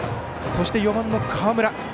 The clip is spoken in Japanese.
そして４番の河村。